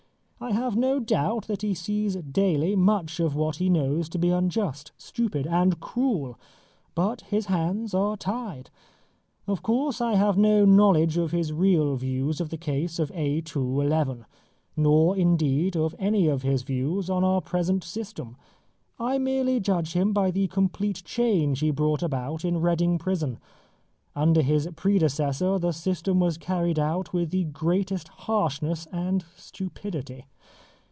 I have no doubt that he sees daily much of what he knows to be unjust, stupid, and cruel. But his hands are tied. Of course I have no knowledge of his real views of the case of A. 2. 11, nor, indeed, of any of his views on our present system. I merely judge him by the complete change he brought about in Reading Prison. Under his predecessor the system was carried out with the greatest harshness and stupidity.